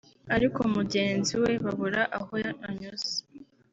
ariko mugenzi we babura aho anyuze